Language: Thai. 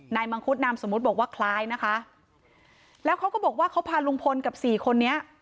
มังคุดนามสมมุติบอกว่าคล้ายนะคะแล้วเขาก็บอกว่าเขาพาลุงพลกับสี่คนนี้